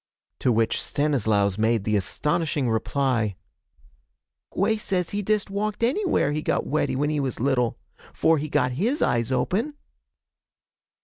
To which Stanislaus made the astonishing reply: 'Gwey says he dest walked anywhere he got weady when he was little 'fore he got his eyes open.'